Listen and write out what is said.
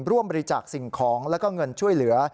รวมบริจักษ์สิ่งของและเงินช่วยเหลือ